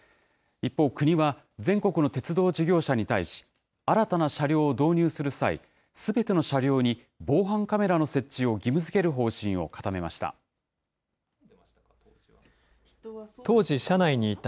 一方、国は全国の鉄道事業者に対し、新たな車両を導入する際、すべての車両に防犯カメラの設置を義務づける方針を固めました。